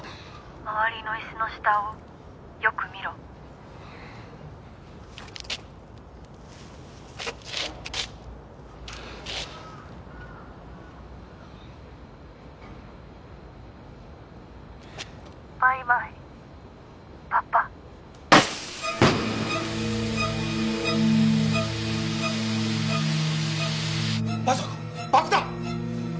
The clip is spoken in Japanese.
「周りのイスの下をよく見ろ」「バイバイパパ」まさか爆弾！？